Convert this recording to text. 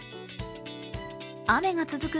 雨が続く